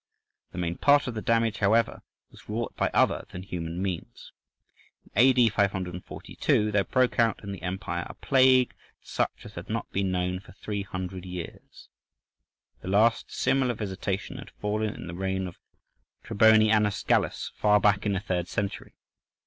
The main part of the damage, however, was wrought by other than human means. In A.D. 542 there broke out in the empire a plague such as had not been known for three hundred years—the last similar visitation had fallen in the reign of Trebonianus Gallus, far back in the third century.